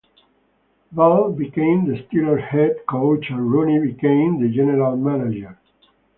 Bell became the Steelers head coach and Rooney became the general manager.